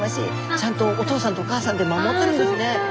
ちゃんとお父さんとお母さんで守ってるんですね。